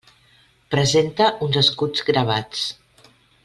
Presenta uns escuts gravats.